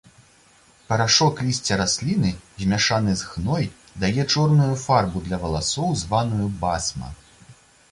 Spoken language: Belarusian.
Парашок лісця расліны, змяшаны з хной, дае чорную фарбу для валасоў, званую басма.